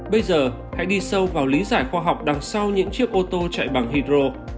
bây giờ hãy đi sâu vào lý giải khoa học đằng sau những chiếc ô tô chạy bằng hydro